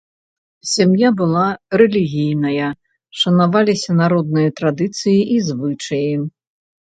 Сям'я была рэлігійная, шанаваліся народныя традыцыі і звычаі.